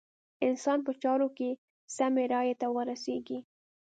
انسان په چارو کې سمې رايې ته ورسېږي.